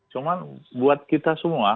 cuma buat kita semua